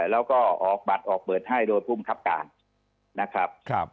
แล้วก็ออกบัตรออกเบอร์ดห้าโดยภูมิควบค์รับการนะครับครับ